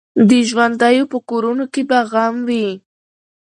د ژوندیو په کورونو کي به غم وي